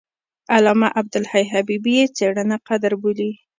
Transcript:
علامه عبدالحي حبیبي یې څېړنه قدر بولي.